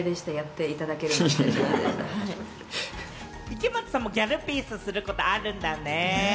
池松さんもギャルピースすることあるんだね。